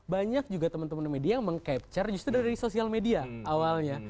banyak juga teman teman di media yang meng capture justru dari sosial media awalnya